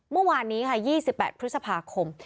เมื่อวานนี้ค่ะ๒๘พฤษภาคม